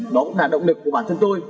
đó cũng là động lực của bản thân tôi